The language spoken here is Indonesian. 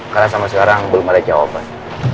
karena sama sekarang belum ada jawaban